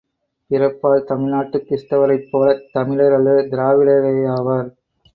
பிறப்பால் தமிழ்நாட்டுக் கிறிஸ்த வரைப்போலத் தமிழர் அல்லது திராவிடரேயாவர்.